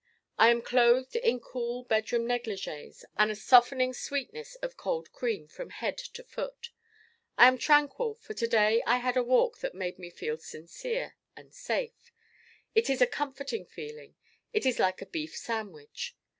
I am clothed in cool bedroom negligées and a softening sweetness of cold cream, from head to foot. I am tranquil for to day I had a walk that made me feel Sincere and Safe. It is a comforting feeling: it is like a beef sandwich.